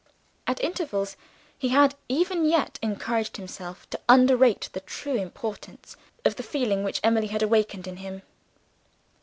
At intervals, he had even yet encouraged himself to underrate the true importance of the feeling which Emily had awakened in him.